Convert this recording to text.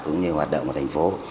cũng như hoạt động của thành phố